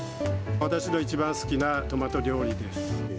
私の一番好きなトマト料理です。